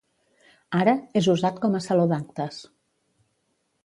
Ara, és usat com a saló d'actes